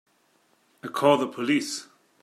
I'll call the police.